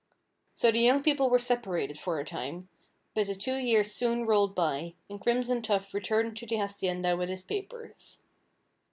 So the young people were separated for a time, but the two years soon rolled by, and Crimson Tuft returned to the hacienda with his papers.